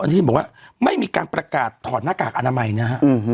ที่บอกว่าไม่มีการประกาศถอดหน้ากากอนามัยนะฮะ